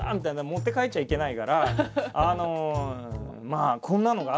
持って帰っちゃいけないからあのまあこんなのがあったっつって。